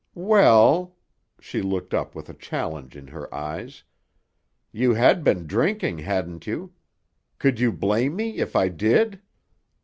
"Well—" she looked up with a challenge in her eyes—"you had been drinking, hadn't you? Could you blame me if I did?"